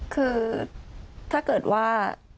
คือถ้าเกิดว่า